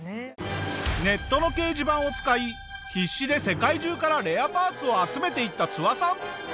ネットの掲示板を使い必死で世界中からレアパーツを集めていったツワさん。